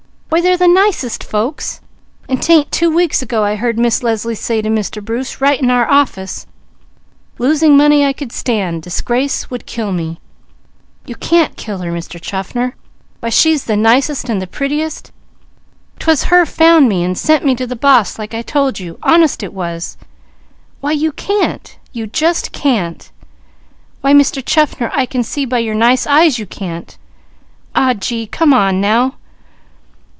_ Why they're the nicest folks; and 'tain't two weeks ago I heard Miss Leslie say to Mr. Bruce right in our office, 'losing money I could stand, disgrace would kill me.' You can't kill her, Mr. Chaffner! Why she's the nicest, and the prettiest She found me, and sent me to the boss, like I told you. Honest she did! Why you can't! You just can't! Why Mr. Chaffner, I can see by your nice eyes you can't! Aw gee, come on now!"